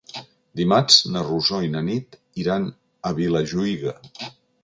Dimarts na Rosó i na Nit iran a Vilajuïga.